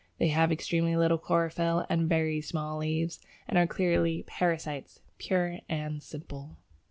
They have extremely little chlorophyll and very small leaves, and are clearly parasites "pure and simple."